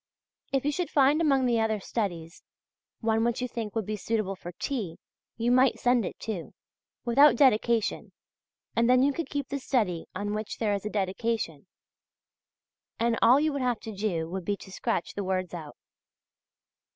If you should find among the other studies, one which you think would be suitable for T. you might send it too, without dedication, and then you could keep the study on which there is a dedication, and all you would have to do would be to scratch the words out.